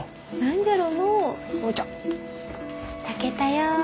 炊けたよ。